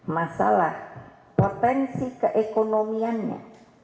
masalah potensi keekonomiannya